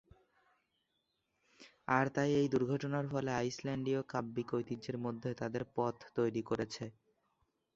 আর তাই এই দুর্ঘটনার ফলে আইসল্যান্ডীয় কাব্যিক ঐতিহ্যের মধ্যে তাদের পথ তৈরি করেছে।